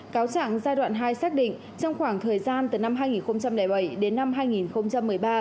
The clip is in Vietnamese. cáo trạng giai đoạn hai xác định trong khoảng thời gian từ năm hai nghìn bảy đến năm hai nghìn một mươi ba